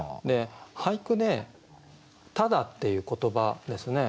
俳句で「ただ」っていう言葉ですね